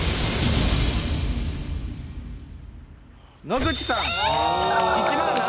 野口さん。